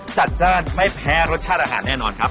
จัดจ้านไม่แพ้รสชาติอาหารแน่นอนครับ